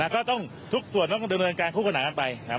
ก็ต้องทุกส่วนต้องดำเนินการคู่ขนาดกันไปนะครับ